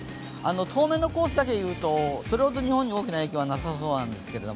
当面のコースだけいうと、それほど日本に影響なさそうなんですけど。